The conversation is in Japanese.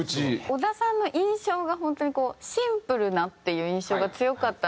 小田さんの印象が本当にこうシンプルなっていう印象が強かったので。